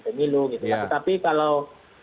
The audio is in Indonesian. pemilu gitu tetapi kalau